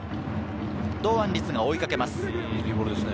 堂安律が追いかけます。